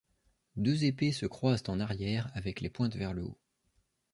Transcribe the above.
Deux épées se croisent en arrière avec les pointes vers le haut.